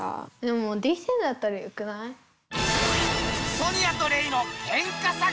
ソニアとレイのケンカ作戦！